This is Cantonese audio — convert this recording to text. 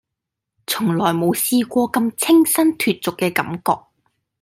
從來冇試過咁清新脫俗嘅感覺